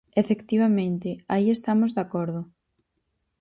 Efectivamente, aí estamos de acordo.